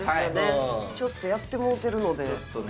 ちょっとやってもうてるのでちょっとね